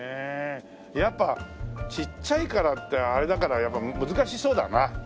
やっぱちっちゃいからってあれだからやっぱ難しそうだな。